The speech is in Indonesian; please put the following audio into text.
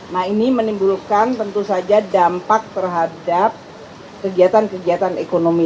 nah ini menimbulkan tentu saja dampak terhadap kegiatan kegiatan ekonomi